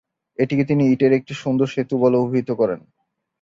এটিকে তিনি ‘ইটের একটি সুন্দর সেতু’ বলে অভিহিত করেন।